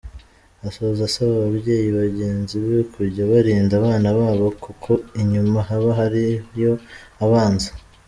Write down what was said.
Asoza asaba ababyeyi bagenzi be kujya barinda abana babo kuko inyuma haba hariyo abanzi.